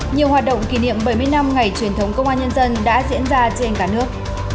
nhiều hoạt động kỷ niệm bảy mươi năm ngày truyền thống công an nhân dân đã diễn ra trên cả nước